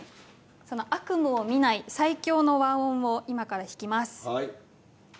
その悪夢を見ない最強の和音を今から弾きます。